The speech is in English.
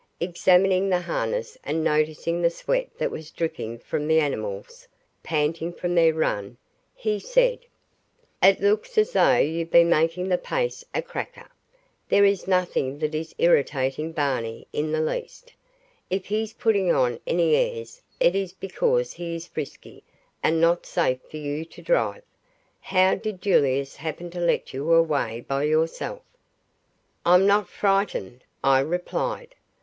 Examining the harness and noticing the sweat that was dripping from the animals, panting from their run, he said: "It looks as though you've been making the pace a cracker. There is nothing that is irritating Barney in the least. If he's putting on any airs it is because he is frisky and not safe for you to drive. How did Julius happen to let you away by yourself?" "I'm not frightened," I replied.